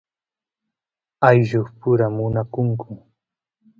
ayllus pura munakunku